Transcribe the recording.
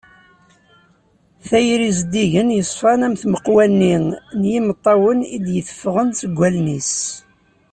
Tayri zeddigen, yeṣfan am tmeqwa-nni n yimeṭṭawen i d-yeffɣen seg wallen-is.